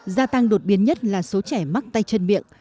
gia tăng đột biến nhất là số trẻ mắc tay chân miệng